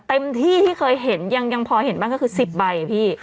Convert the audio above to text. เต็มที่ที่เคยเห็นยังพอเห็นบ้างก็คือ๑๐ใบพี่